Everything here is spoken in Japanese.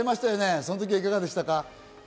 その時いかがでしたか？